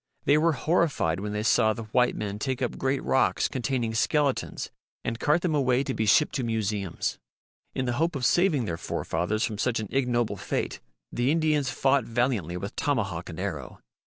They were horrified when they saw the white men take up great rocks containing skeletons and cart them away to be shipped to museums. In the hope of saving their forefathers from such an ignoble fate the Indians fought valiantly with tomahawk and arrow.